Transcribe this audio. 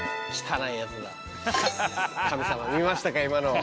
神様見ましたか今の。